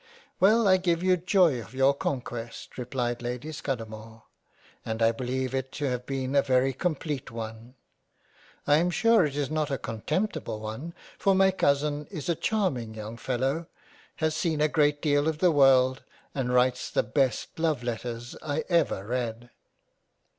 " Well, I give you Joy of your conquest, replied Lady Scudamore, and I beleive it to have been a very complete one ; I am sure it is not a contemptible one, for my Cousin is a charming young fellow, has seen a great deal of the World, and writes the best Love letters I ever read."